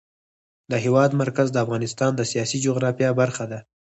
د هېواد مرکز د افغانستان د سیاسي جغرافیه برخه ده.